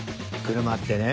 車ってね